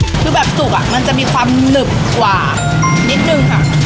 คือแบบสุกมันจะมีความหนึบกว่านิดนึงค่ะ